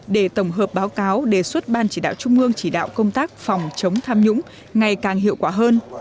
để tổng hợp báo cáo đề xuất ban chỉ đạo trung ương chỉ đạo công tác phòng chống tham nhũng ngày càng hiệu quả hơn